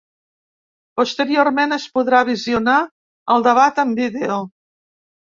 Posteriorment es podrà visionar el debat en vídeo.